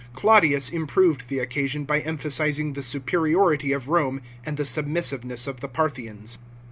Claudius improved the occasion by emphasising the superiority of Rome and the snbmissiveness of the Parthians.